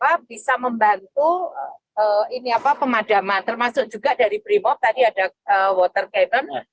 jadi ini bisa membantu ini apa pemadaman termasuk juga dari brimob tadi ada water cannon